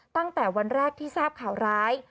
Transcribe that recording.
ตั้งแต่วันแรกที่ทราบข่าวร้าย